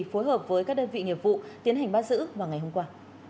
phối hợp với các đơn vị nghiệp vụ tiến hành bắt giữ vào ngày hôm qua